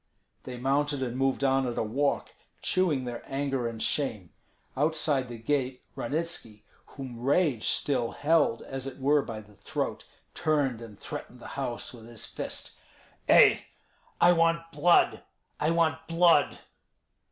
They mounted, and moved on at a walk, chewing their anger and shame. Outside the gate Ranitski, whom rage still held as it were by the throat, turned and threatened the house with his fist. "Ei! I want blood! I want blood!"